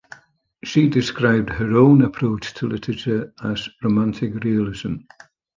She described her own approach to literature as "romantic realism".